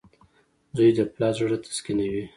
• زوی د پلار زړۀ تسکینوي.